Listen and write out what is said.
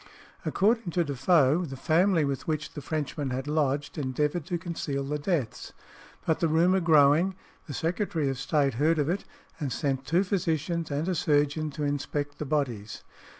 According to Defoe, the family with which the Frenchmen had lodged endeavoured to conceal the deaths; but the rumour growing, the Secretary of State heard of it, and sent two physicians and a surgeon to inspect the bodies.